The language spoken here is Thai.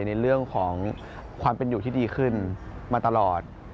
ในเรื่องของความเป็นอยู่ที่ดีขึ้นมาตลอด